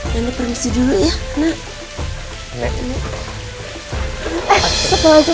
nenek permisi dulu ya